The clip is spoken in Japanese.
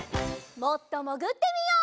もっともぐってみよう。